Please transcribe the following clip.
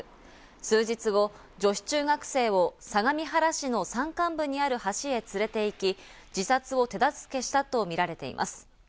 数日後、女子中学生を相模原市の山間部にある橋へ連れて行き、自殺を手助けしたとみられています。